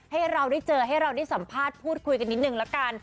ให้เราได้เจอให้เราได้สัมภาษณ์พูดคุยกันนิดนึงละกัน